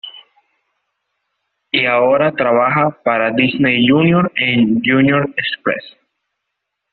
Y ahora trabaja para Disney Junior en "Junior Express".